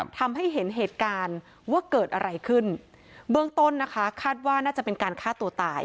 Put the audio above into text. ทำให้เห็นเหตุการณ์ว่าเกิดอะไรขึ้นเบื้องต้นนะคะคาดว่าน่าจะเป็นการฆ่าตัวตาย